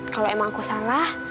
kalau emang aku salah